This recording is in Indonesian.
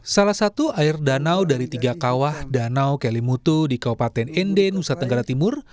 salah satu air danau dari tiga kawah danau kelimutu di kabupaten nd nusa tenggara timur